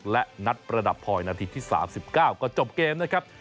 และนัดประดับพลอยนาทีที่๓๙ก็จบเกมนะครับ